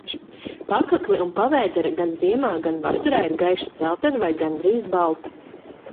Pakakle un pavēdere gan ziemā, gan vasarā ir gaiši dzeltena vai gandrīz balta.